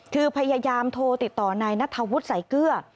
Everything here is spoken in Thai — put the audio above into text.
คือพยายามโทรติดต่อในนัทวุฒิใส่เกื้อ